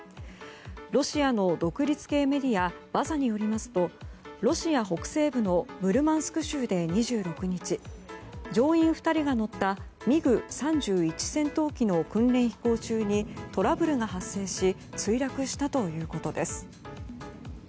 ロシアの独立系メディアバザによりますとロシア北西部のムルマンスク州で２６日乗員２人が乗ったミグ３１戦闘機の訓練飛行中にトラブルが発生し墜落したということです。